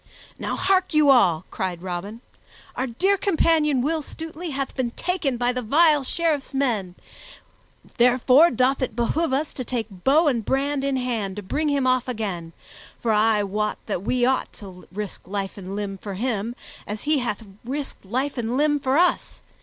"Now hark you all!" cried Robin. "Our dear companion Will Stutely hath been taken by that vile Sheriff's men, therefore doth it behoove us to take bow and brand in hand to bring him off again; for I wot that we ought to risk life and limb for him, as he hath risked life and limb for us.